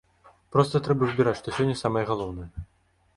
Проста трэба выбіраць, што сёння самае галоўнае.